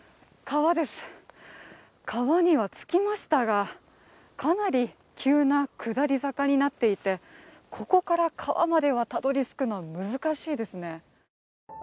川です、川には着きましたがかなり急な下り坂になっていて、ここから川まではたどり着くのが難しいですね。